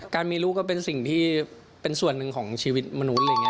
การมีลูกก็เป็นสิ่งที่เป็นส่วนหนึ่งของชีวิตมนุษย์อะไรอย่างนี้